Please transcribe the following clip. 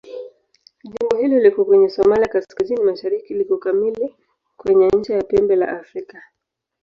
Jimbo hili liko kwenye Somalia kaskazini-mashariki liko kamili kwenye ncha ya Pembe la Afrika.